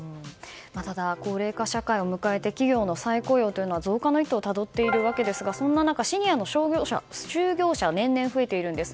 ただ、高齢化社会を迎え企業の再雇用は増加の一途をたどっているわけですがそんな中シニアの就業者は年々増えているんです。